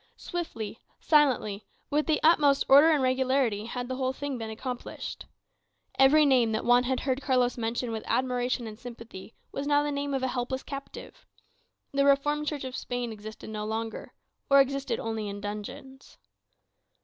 Swiftly, silently, with the utmost order and regularity, had the whole thing been accomplished. Every name that Juan had heard Carlos mention with admiration and sympathy was now the name of a helpless captive. The Reformed Church of Spain existed no longer, or existed only in dungeons.